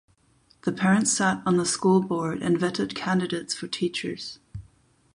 The parents sat on the school board and vetted candidates for teachers.